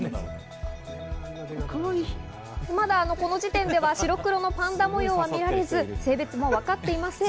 まだこの時点では白黒のパンダ模様は見られず、性別もわかっていません。